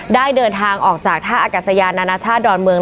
ได้เดินทางออกจากท่าอากาศยานานาชาติดอนเมือง